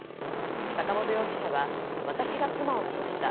坂本容疑者は私が妻を殺した。